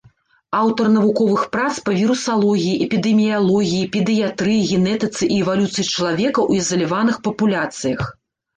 Аўтар навуковых прац па вірусалогіі, эпідэміялогіі, педыятрыі, генетыцы і эвалюцыі чалавека ў ізаляваных папуляцыях.